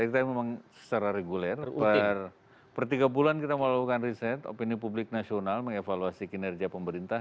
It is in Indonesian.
kita memang secara reguler per tiga bulan kita melakukan riset opini publik nasional mengevaluasi kinerja pemerintah